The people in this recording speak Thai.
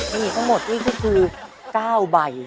มีทั้งหมดนี่ก็คือ๙ใบ